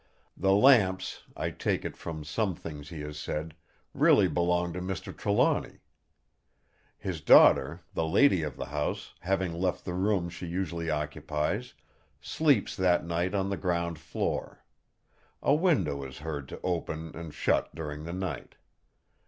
The lamps, I take it from some things he has said, really belong to Mr. Trelawny. His daughter, the lady of the house, having left the room she usually occupies, sleeps that night on the ground floor. A window is heard to open and shut during the night.